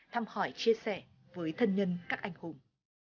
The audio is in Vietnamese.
thăm hỏi chia sẻ với thân nhân các anh hùng